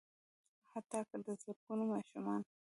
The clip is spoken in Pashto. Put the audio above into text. حتا که د زرګونو ماشومانو